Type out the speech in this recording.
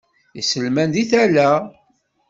Iselman deg tala.